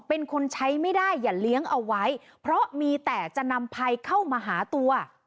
เป็นคนใช้ไม่ได้อย่าเลี้ยงเอาไว้เพราะมีแต่จะนำภัยเข้ามาหาตัว